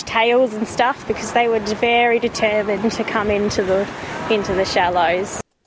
karena mereka sangat berdeterbangan untuk masuk ke dalam kebun